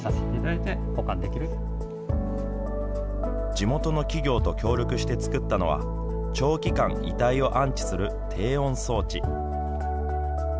地元の企業と協力して作ったのは長期間遺体を安置する低温装置。